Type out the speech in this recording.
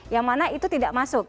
yang mana itu tidak masuk